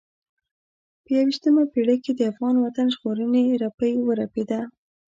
په یوه یشتمه پېړۍ کې د افغان وطن ژغورنې رپی ورپېده.